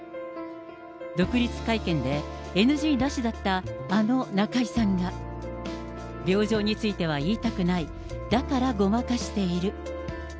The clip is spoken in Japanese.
独立会見でＮＧなしだったあの中居さんが、病状については言いたくない、だからごまかしている。